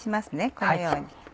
このように。